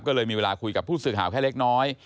ก็เลยมีเวลาคุยกับผู้สื่อข่าวแค่เล็กน้อย